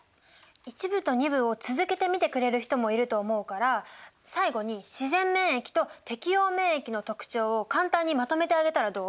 １部と２部を続けて見てくれる人もいると思うから最後に自然免疫と適応免疫の特徴を簡単にまとめてあげたらどう？